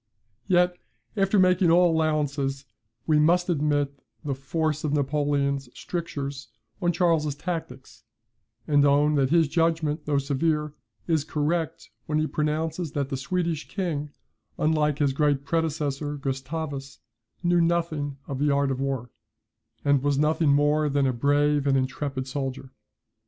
Yet, after making all allowances, we must admit the force of Napoleon's strictures on Charles's tactics, and own that his judgment, though severe, is correct, when he pronounces that the Swedish king, unlike his great predecessor Gustavus, knew nothing of the art of war, and was nothing more than a brave and intrepid soldier.